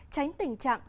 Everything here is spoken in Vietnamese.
tránh tình trạng